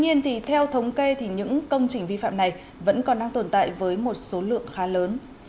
nhưng theo thống kê những công trình vi phạm này vẫn còn đang tồn tại với một số lượng khá lớn